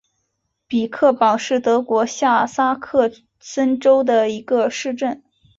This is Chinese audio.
比克堡是德国下萨克森州的一个市镇。